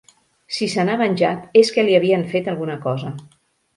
Si se n'ha venjat és que li havien fet alguna cosa.